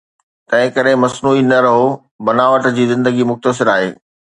تنهنڪري مصنوعي نه رهو، بناوت جي زندگي مختصر آهي.